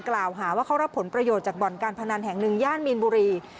กล่าวหาว่าเขารับผลประโยชน์จากบ่อนการพนันแห่งหนึ่งย่านมีนบุรี